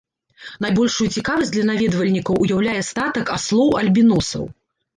Найбольшую цікавасць для наведвальнікаў уяўляе статак аслоў-альбіносаў.